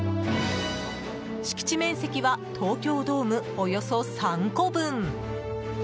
敷地面積は東京ドームおよそ３個分。